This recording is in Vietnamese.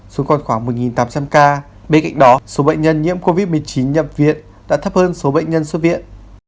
xuống còn khoảng một tám trăm linh ca bên cạnh đó số bệnh nhân nhiễm covid một mươi chín nhập viện đã thấp hơn số bệnh nhân xuất viện